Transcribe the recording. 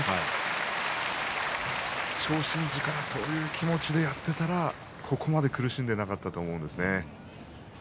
昇進時から、そういう気持ちでやっていたらここまで苦しまなかったと思います。